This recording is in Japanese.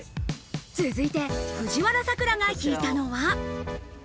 続いて、藤原さくらが引いたのは。